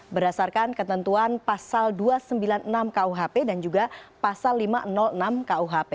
berdasarkan ketentuan pasal dua ratus sembilan puluh enam kuhp dan juga pasal lima ratus enam kuhp